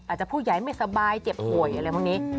อาจจะผู้ใหญ่ไม่สบายเจ็บป่วยอะไรพวกนี้